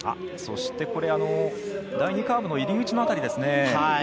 そして、第２カーブの入り口辺り。